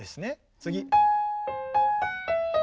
次。